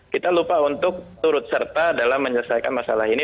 kita lupa untuk turut serta dalam menyelesaikan masalah ini